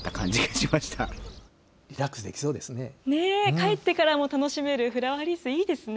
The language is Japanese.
帰ってからも楽しめるフラワーリース、いいですね。